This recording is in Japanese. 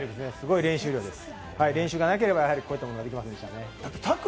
練習がなければ、こういったことはできませんでした。